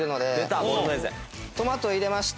トマト入れまして